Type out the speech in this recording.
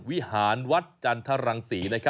วิหารวัดจันทรังศรี